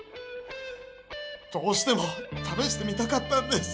どうしてもためしてみたかったんです。